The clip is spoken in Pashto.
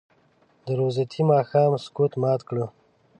د روژتي ماښام سکوت مات کړه